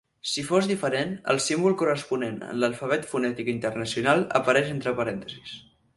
Si fos diferent, el símbol corresponent en l'Alfabet Fonètic Internacional apareix entre parèntesis.